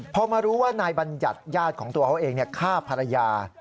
พอมารู้ว่านายบัญญัติญาติของตัวเขาเองฆ่าภรรยา